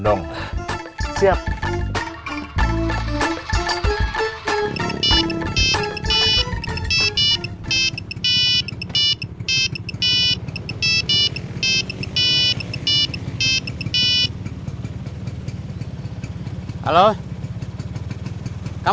terima kasih pak